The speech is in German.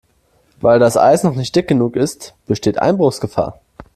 Weil das Eis noch nicht dick genug ist, besteht Einbruchsgefahr.